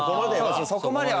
そこまでは。